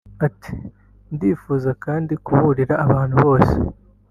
Ati “Ndifuza kandi kuburira abantu bose